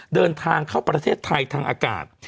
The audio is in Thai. เดินทางเข้าประเทศไทยทางอากาศ